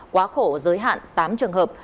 quá khổ giới hạn tám trường hợp